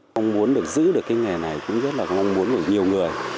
mong muốn được giữ được cái nghề này cũng rất là mong muốn của nhiều người